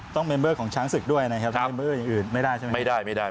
ต้องเมมเบอร์ของช้างศึกด้วยนะครับไม่ได้ใช่ไหมครับ